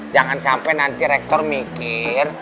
jangan sampai nanti rektor mikir